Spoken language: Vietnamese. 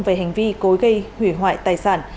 về hành vi cối gây hủy hoại tài sản